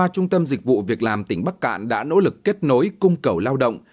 trung tâm dịch vụ việc làm tỉnh bắc cạn đã nỗ lực kết nối cung cầu lao động